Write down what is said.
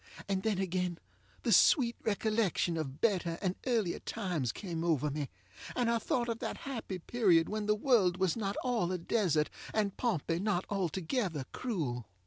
And then again the sweet recollection of better and earlier times came over me, and I thought of that happy period when the world was not all a desert, and Pompey not altogether cruel.